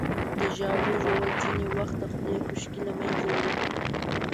د ژاولې ژوول ځینې وخت د خولې خشکي له منځه وړي.